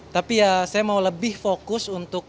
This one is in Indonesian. tapi ya saya mau lebih fokus untuk